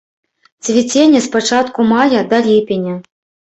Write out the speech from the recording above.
Цвіценне з пачатку мая да ліпеня.